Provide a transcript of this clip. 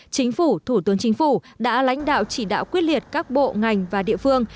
chính phủ thủ tướng chính phủ đã lãnh đạo chỉ đạo quyết liệt các bộ ngành và địa phương